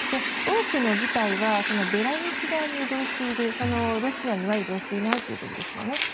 多くの部隊はベラルーシ側に移動していてロシアには移動していないということですよね。